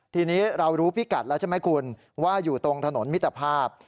ทีนี้เรารู้พิกัดแล้วใช่ไหมคุณว่าอยู่ตรงถนนมิตรภาพ